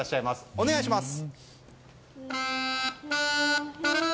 お願いします。